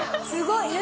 すごい。